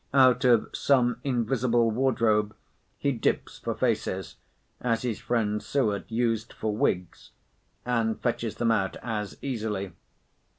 Out of some invisible wardrobe he dips for faces, as his friend Suett used for wigs, and fetches them out as easily.